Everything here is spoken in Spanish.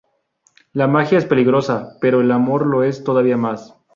La magia es peligrosa, pero el amor lo es todavía más.